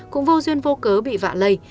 cũng vô duyên vô cớ bị vạ lây